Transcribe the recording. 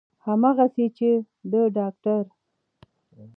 همغسې چې د داکتر